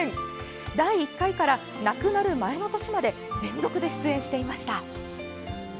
第１回から、亡くなる前の年まで連続で出演していました。